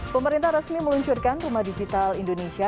pemerintah resmi meluncurkan rumah digital indonesia